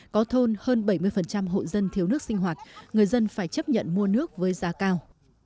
có thôn hơn bảy mươi hộ dân thiếu nước sinh hoạt người dân phải chấp nhận mua nước với giá cao